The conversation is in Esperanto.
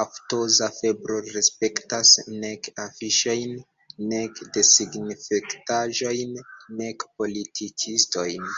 Aftoza febro respektas nek afiŝojn, nek desinfektaĵojn, nek politikistojn.